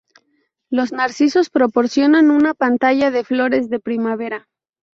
Los narcisos proporcionan una pantalla de flores de primavera.